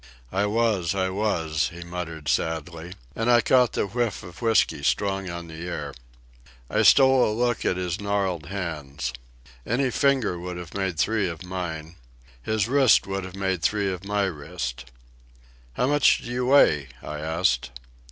"I was, I was," he muttered sadly, and I caught the whiff of whiskey strong on the air. I stole a look at his gnarled hands. Any finger would have made three of mine. His wrist would have made three of my wrist. "How much do you weigh?" I asked.